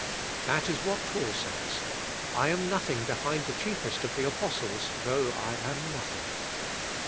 That is what Paul says, "I am nothing behind the chief est of the apostles, though I am nothing."